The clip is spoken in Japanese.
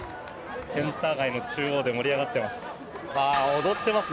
センター街の中央で盛り上がっています。